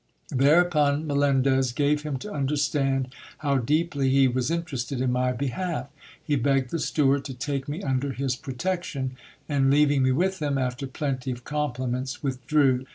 Thereupon Melendez gave him to understand how deeply he wa 5 interested in my behalf ; he begged the steward to take me under his pro tec :ion, and leaving me with him, after plenty of compliments, withdrew.